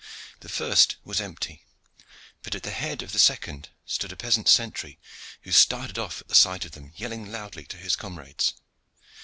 The first was empty, but at the head of the second stood a peasant sentry, who started off at the sight of them, yelling loudly to his comrades.